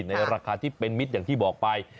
ในราคาที่เป็นมิตรอย่างที่บอกไป